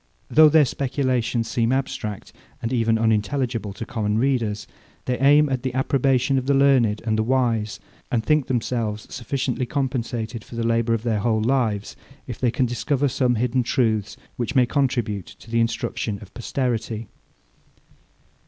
Though their speculations seem abstract, and even unintelligible to common readers, they aim at the approbation of the learned and the wise; and think themselves sufficiently compensated for the labour of their whole lives, if they can discover some hidden truths, which may contribute to the instruction of posterity.